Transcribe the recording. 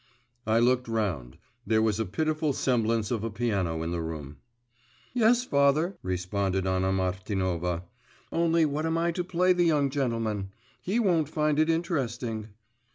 I looked round; there was a pitiful semblance of a piano in the room. 'Yes, father,' responded Anna Martinovna. 'Only what am I to play the young gentleman? He won't find it interesting.